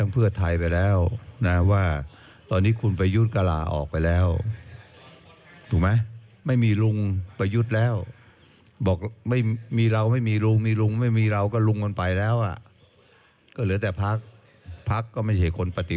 พลักษณ์ก็ไม่ใช่คนปฏิวัติ